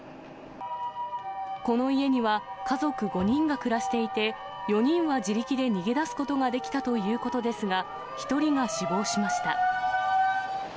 この家には家族５人が暮らしていて、４人は自力で逃げ出すことができたということですが、１人が死亡しました。